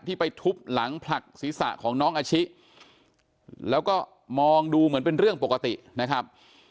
ไปทุบหลังผลักศีรษะของน้องอาชิแล้วก็มองดูเหมือนเป็นเรื่องปกตินะครับ